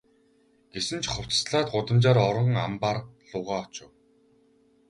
Гэсэн ч хувцаслаад гудамжаар орон амбаар луугаа очив.